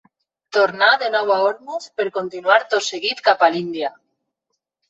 Tornà de nou a Ormuz, per continuar tot seguit cap a l'Índia.